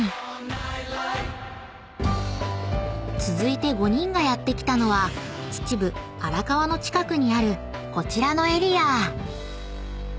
［続いて５人がやって来たのは秩父荒川の近くにあるこちらのエリア］